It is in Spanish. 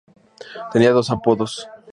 Tenía dos apodos.